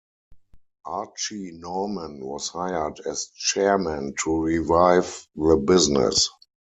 Archie Norman was hired as chairman to revive the business.